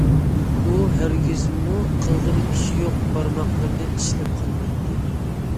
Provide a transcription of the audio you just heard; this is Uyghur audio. ئۇ، ھەرگىزمۇ قىلغىلى ئىش يوق، بارماقلىرىنى چىشلەپ قالمايتتى.